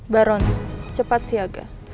baron cepat siaga